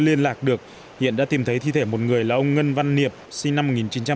liên lạc được hiện đã tìm thấy thi thể một người là ông ngân văn niệp sinh năm một nghìn chín trăm tám mươi